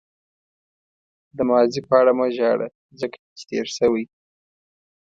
د ماضي په اړه مه ژاړه ځکه چې تېر شوی.